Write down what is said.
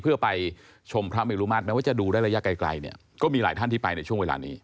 เพื่อไปชมพระเมลุมาตรแม้ว่าจะดูได้ระยะไกลเนี่ยก็มีหลายท่านที่ไปในช่วงเวลานี้